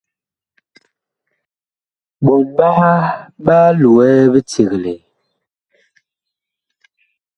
Ɓɔɔn ɓaha ɓa loɛ biceglɛɛ.